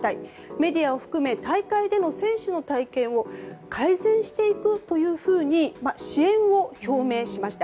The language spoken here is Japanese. メディアを含め、大会での選手の体験を改善していくと支援を表明しました。